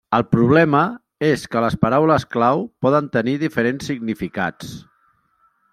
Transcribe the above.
El problema és que les paraules clau poden tenir diferents significats.